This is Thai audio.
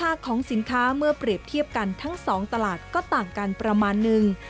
ของสินค้าเมื่อเปรียบเทียบกันทั้ง๒ตลาดก็ต่างกันประมาณนึง